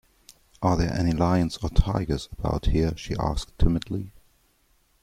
‘Are there any lions or tigers about here?’ she asked timidly.